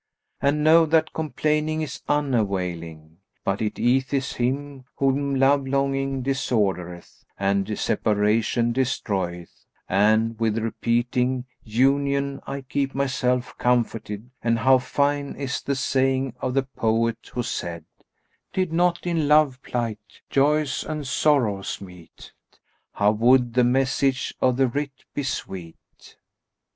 And know that complaining is unavailing; but it easeth him whom love longing disordereth and separation destroyeth and, with repeating, 'Union,' I keep myself comforted and how fine is the saying of the poet who said, 'Did not in love plight joys and sorrows meet, * How would the message or the writ be sweet?'"